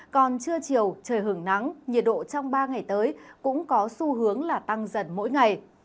còn trưa chiều trời hưởng nắng nhiệt độ trong ba ngày tới cũng có xu hướng là tăng dần mỗi ngày